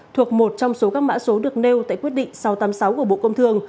thuộc một trong số các mã số được nêu tại quyết định sáu trăm tám mươi sáu của bộ công thương